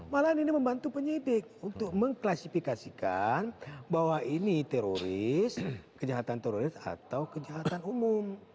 malahan ini membantu penyidik untuk mengklasifikasikan bahwa ini teroris kejahatan teroris atau kejahatan umum